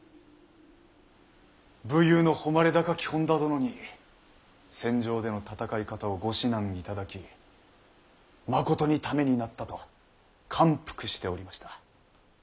武勇の誉れ高き本多殿に戦場での戦い方をご指南いただきまことにためになったと感服しておりました。